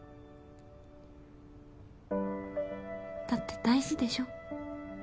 だって大事でしょ？